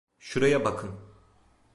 Şuraya bakın.